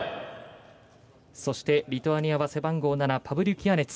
そして、リトアニアは背番号７パブリウキアネツ。